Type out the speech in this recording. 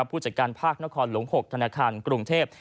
ผู้จัดการภาคนครหลวง๖ธนาคารกรุงเทพ